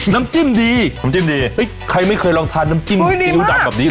น้ำจิ้มดีน้ำจิ้มดีเอ้ยใครไม่เคยลองทานน้ำจิ้มสีอีดับกับนี้โอ้ยดีมาก